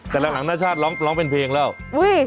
แต่หลังนาชาติร้องเป็นเพลงแล้วอุ้ย